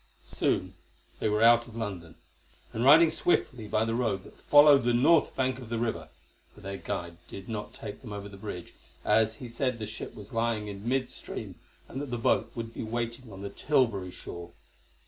Soon they were out of London, and riding swiftly by the road that followed the north bank of the river, for their guide did not take them over the bridge, as he said the ship was lying in mid stream and that the boat would be waiting on the Tilbury shore.